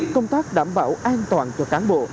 công tác đảm bảo an toàn cho cán bộ